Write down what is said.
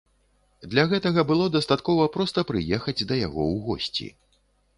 Для гэтага было дастаткова проста прыехаць да яго ў госці.